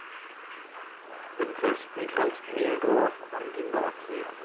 Im Westen grenzt Meldorf an die Nordsee.